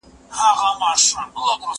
زه اجازه لرم چي اوبه پاک کړم.